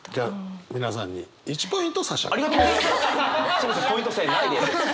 すいませんポイント制ないです！